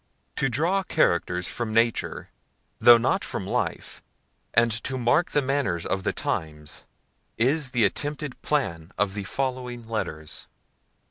To draw characters from nature, though not from life, and to mark the manners of the times, is the attempted plan of the following letters.